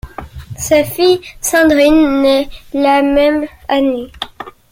Sa fille Sandrine naît la même année.